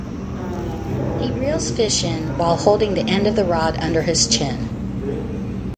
He reels fish in while holding the end of the rod under his chin.